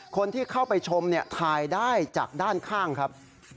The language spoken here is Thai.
คนที่เข้าไปชมถ่ายได้จากด้านข้างครับ